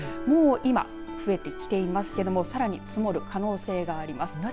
もう今増えてきていますけど、さらに積もる可能性があります。